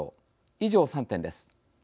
以上３点です。